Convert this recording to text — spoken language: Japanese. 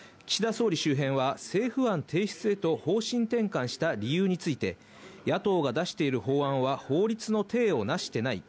総理周辺は政府案提出へと方針転換した理由について、野党が出している法案は法律の体をなしていない。